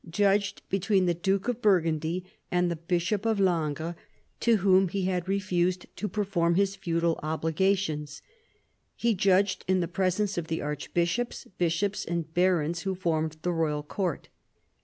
judged between the duke of Burgundy and the bishop of Langres, to whom he had refused to perform his feudal obligations. He judged in the presence of the archbishops, bishops, and barons who formed the royal court.